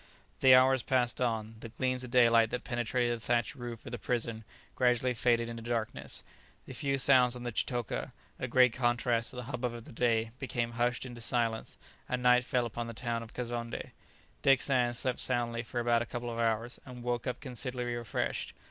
The hours passed on. The gleams of daylight that penetrated the thatched roof of the prison gradually faded into darkness; the few sounds on the chitoka, a great contrast to the hubbub of the day, became hushed into silence, and night fell upon the town of Kazonndé. Dick Sands slept soundly for about a couple of hours, and woke up considerably refreshed.